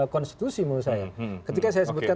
konstitusi menurut saya ketika saya sebutkan